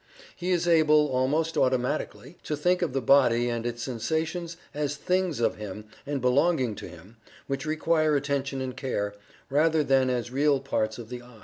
He is able, almost automatically, to think of the body and its sensations as things of him, and belonging to him, which require attention and care, rather than as real parts of the "I."